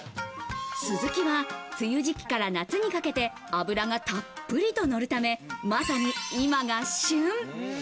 スズキは、梅雨時期から夏にかけて脂がたっぷりとのるため、まさに今が旬。